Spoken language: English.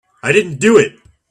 I didn't do it.